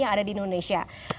yang ada di indonesia